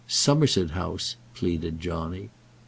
"Somerset House," pleaded Johnny.